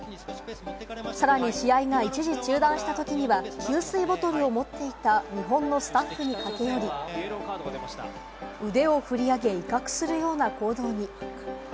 さらに試合が一時中断したときには給水ボトルを持っていた日本のスタッフに駆け寄り、腕をふり上げ、威嚇するような行動に。